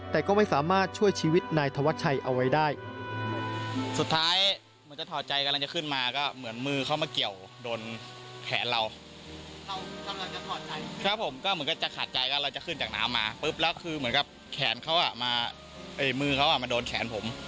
แต่ก็ไม่สามารถช่วยชีวิตนายทวัดชัยเอาไว้ได้